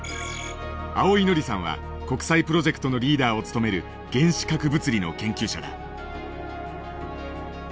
青井考さんは国際プロジェクトのリーダーを務める原子核物理の研究者だ。